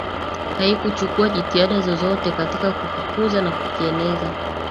haikuchukua jitihada zozote katika kukikuza na kukieneza